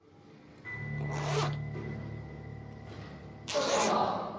・ちょっと待った。